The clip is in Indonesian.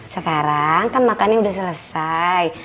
sekarang kan makannya sudah selesai